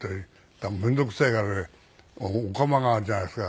だから面倒くさいからねお釜があるじゃないですか